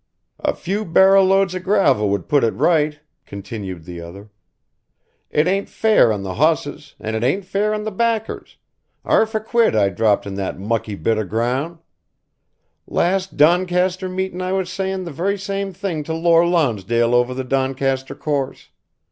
"A few barra' loads o' gravel would put it rite," continued the other, "it ain't fair on the hosses, and it ain't fair on the backers, 'arf a quid I dropped on that mucky bit o' grown'. Last Doncaster meetin' I was sayin' the very same thing to Lor' Lonsdale over the Doncaster Course.